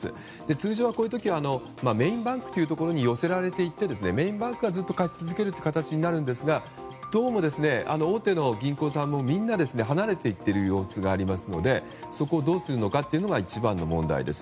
通常はこういう時メインバンクに寄せられていってメインバンクがずっと貸し続けることになるんですがどうも大手の銀行さんもみんな離れて行っている様子がありますのでそこをどうするかが一番の問題です。